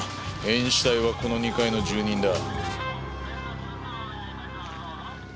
変死体はこの２階の住人だ。